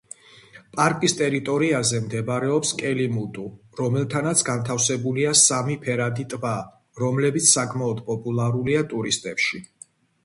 პარკის ტერიტორიაზე მდებარეობს კელიმუტუ, რომელთანაც განთავსებულია სამი ფერადი ტბა, რომლებიც საკმაოდ პოპულარულია ტურისტებში.